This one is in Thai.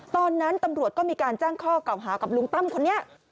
ตอนนั้นตำรวจก็มีการแจ้งข้อเก่าหากับลุงตั้มคนนี้